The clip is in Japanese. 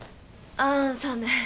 ああそうね。